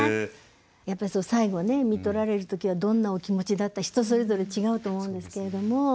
やっぱり最期ねみとられる時はどんなお気持ちだった人それぞれ違うと思うんですけれども。